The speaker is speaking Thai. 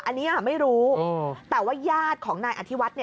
อันนี้ไม่รู้แต่ว่าญาติของนายอธิวัฒน์